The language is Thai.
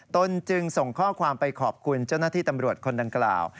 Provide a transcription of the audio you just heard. ตนจึงส่งข้อความไปขอบคุณเจ้าหน้าที่ตำรวจคนดังกล่าว